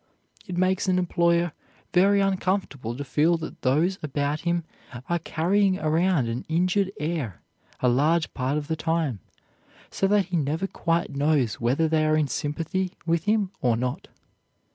It makes an employer very uncomfortable to feel that those about him are carrying around an injured air a large part of the time, so that he never quite knows whether they are in sympathy with him or not.